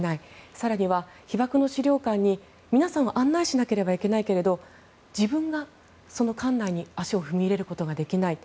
更に被爆の資料館に皆さんを案内しなければいけないけれど自分がその館内に足を踏み入れることができない。